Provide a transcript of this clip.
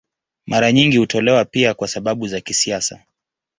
Mara nyingi hutolewa pia kwa sababu za kisiasa.